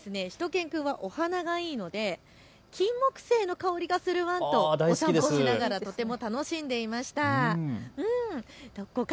さらにしゅと犬くんはお鼻がいいのでキンモクセイの香りがするワンととっても楽しんでいました。